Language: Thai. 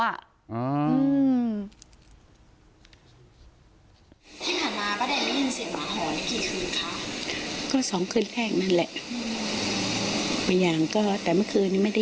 ถ้ามาก็ได้ในเสมอหอนกี่คืนครับ